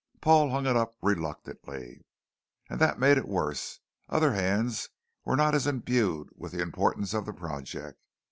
Paul hung it up reluctantly. And that made it worse. Other hands were not as imbued with the importance of the project.